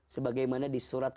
sebagai mana di surat